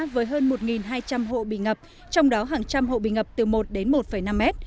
với hơn một hai trăm linh hộ bị ngập trong đó hàng trăm hộ bị ngập từ một đến một năm mét